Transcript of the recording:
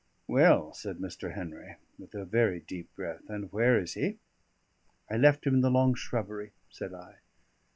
"Well," said Mr. Henry, with a very deep breath, "and where is he?" "I left him in the long shrubbery," said I.